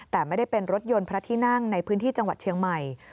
แต่ไม่ได้เป็นรถยนต์พระที่นั่งในพื้นที่จังหวัดเชียงใหม่